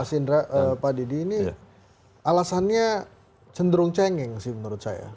mas indra pak didi ini alasannya cenderung cengeng sih menurut saya